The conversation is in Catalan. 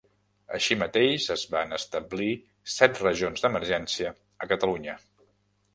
Així mateix, es van establir set regions d'emergència a Catalunya.